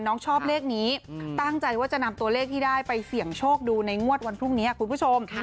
ชอบเลขนี้ตั้งใจว่าจะนำตัวเลขที่ได้ไปเสี่ยงโชคดูในงวดวันพรุ่งนี้คุณผู้ชม